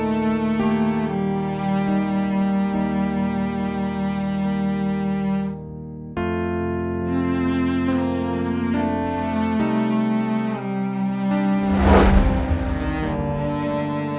ibu belum makan ibu ya